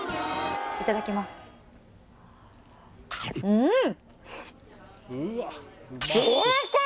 いただきますうん！